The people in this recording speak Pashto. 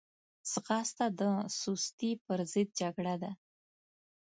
ځغاسته د سستي پر ضد جګړه ده